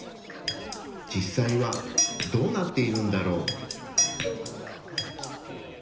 実際はどうなっているんだろう？